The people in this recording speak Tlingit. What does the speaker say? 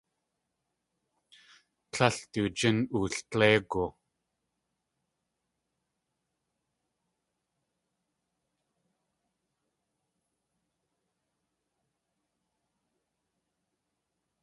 Tlél du jín ooldléigu.